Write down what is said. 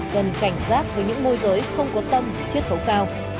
cần cảnh giác với những môi giới không có tâm chiết khấu cao